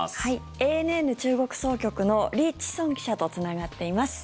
ＡＮＮ中国総局のリ・チソン記者とつながっています。